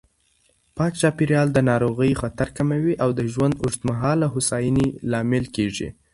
پاک چاپېریال د ناروغیو خطر کموي او د ژوند اوږدمهاله هوساینې لامل کېږي.